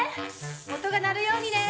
音が鳴るようにね！